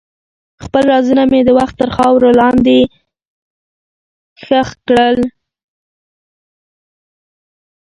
خپل رازونه مې د وخت تر خاورو لاندې ښخ کړل.